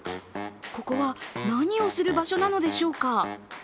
ここは何をする場所なのでしょうか？